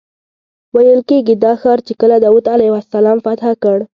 ویل کېږي دا ښار چې کله داود علیه السلام فتح کړ.